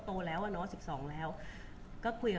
คุณผู้ถามเป็นความขอบคุณค่ะ